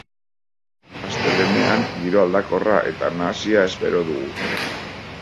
Astelehenean giro aldakorra eta nahasia espero dugu.